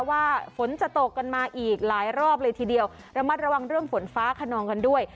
ฝนจะตกกันมาอีกหลายรอบเลยทีเดียวระมัดระวังเรื่องฝนฟ้าขนองกันด้วย